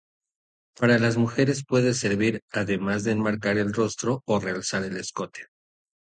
Para las mujeres puede servir además para enmarcar el rostro o realzar el escote.